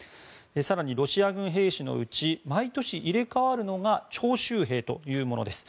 更にロシア軍兵士のうち毎年入れ替わるのが徴集兵というものです。